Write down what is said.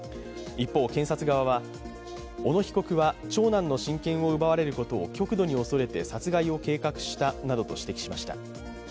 一方、検察側は、小野被告は長男の親権を奪われることを極度に恐れて殺害を計画したなどと指摘しました。